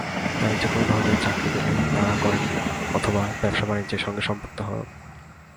তাই যেকোনো ধরনের চাকরি পেলেই তাঁরা করেন অথবা ব্যবসা-বাণিজ্যের সঙ্গে সম্পৃক্ত হন।